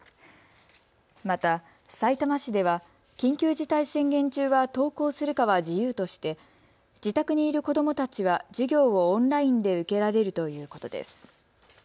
また、さいたま市では緊急事態宣言中は登校するかは自由として自宅にいる子どもたちは授業をオンラインで受けられるということです。